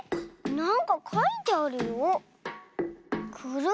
なんかかいてあるよ。